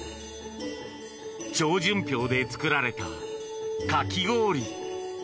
超純氷で作られた、かき氷。